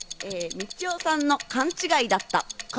光代さんの勘違いだった。